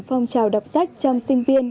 phong trào đọc sách trong sinh viên